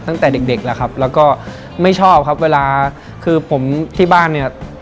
ตั้งแต่เด็กเด็กแล้วครับแล้วก็ไม่ชอบครับเวลาคือผมที่บ้านเนี่ย